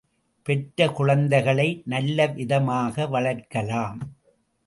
பெற்ற குழந்தைகளை நல்ல விதமாக வளர்க்கலாம்.